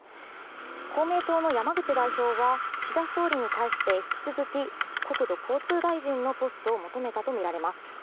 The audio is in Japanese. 公明党の山口代表は岸田総理に対して引き続き国土交通大臣のポストを求めたとみられます。